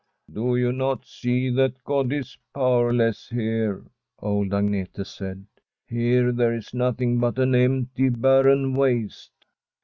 * Do you not see that God is powerless here ?' old Agnete said. * Here there is nothing but an empty, barren waste.'